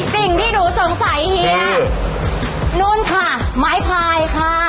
สิ่งที่หนูสงสัยเฮียนู่นค่ะไม้พายค่ะ